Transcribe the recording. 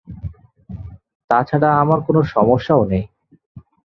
তা ছাড়া আমার কোনো সমস্যাও নেই।